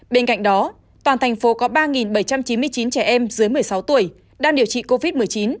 bên cạnh đó toàn thành phố có ba bảy trăm chín mươi chín trẻ em dưới một mươi sáu tuổi đang điều trị covid một mươi chín